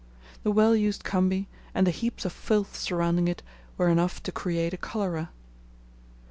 The well used khambi, and the heaps of filth surrounding it, were enough to create a cholera!